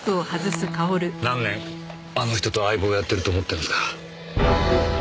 何年あの人と相棒やってると思ってるんですか。